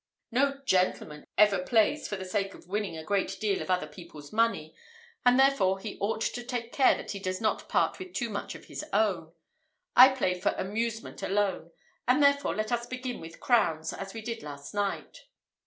No gentleman ever plays for the sake of winning a great deal of other people's money, and therefore he ought to take care that he does not part with too much of his own. I play for amusement alone, and therefore let us begin with crowns, as we did last night."